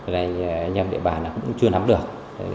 rồi anh em địa bàn nó cũng chưa nắm được